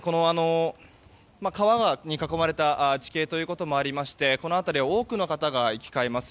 川に囲まれた地形ということもありましてこの辺りは多くの方が行き交います。